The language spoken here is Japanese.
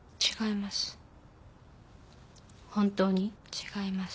違います。